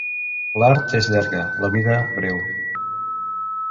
L'art és llarga; la vida breu.